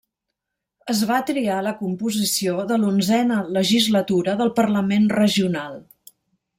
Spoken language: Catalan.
Es va triar la composició de l'onzena legislatura del parlament regional.